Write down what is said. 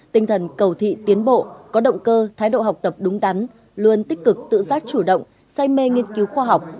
tinh thần cầu thị tiến bộ có động cơ thái độ học tập đúng đắn luôn tích cực tự giác chủ động say mê nghiên cứu khoa học